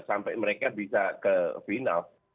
sampai mereka bisa ke final